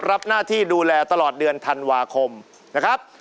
รับหน้าที่ดูแลตลอดเดือนธันวาคมนะครับ